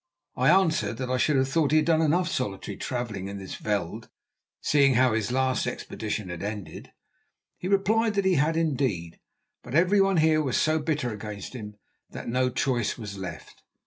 I answered that I should have thought he had done enough solitary travelling in this veld, seeing how his last expedition had ended. He replied that he had, indeed, but everyone here was so bitter against him that no choice was left.